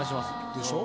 でしょ？